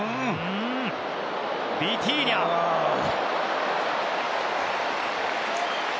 ビティーニャです。